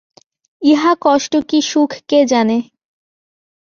ইহা কষ্ট কি সুখ কে জানে!